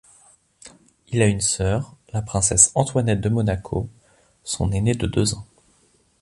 Il a une sœur, la princesse Antoinette de Monaco, son aînée de deux ans.